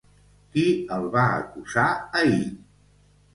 Qui el va acusar ahir?